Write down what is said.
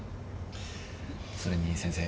それに先生